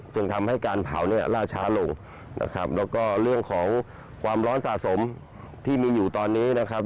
จึงทำให้การเผาเนี่ยล่าช้าลงนะครับแล้วก็เรื่องของความร้อนสะสมที่มีอยู่ตอนนี้นะครับ